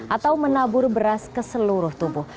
atau menabur beras ke seluruh tubuh